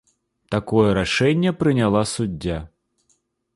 Такое рашэнне прыняла суддзя.